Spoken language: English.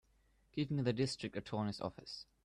Give me the District Attorney's office.